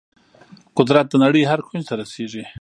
قدرت د نړۍ هر کونج ته رسیږي.